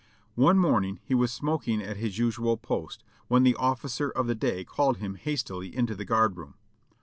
One morning he was smoking at his usual post, when the officer of the day called him hastily into the guard room.